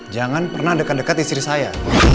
jangan pernah dekat dekat istri saya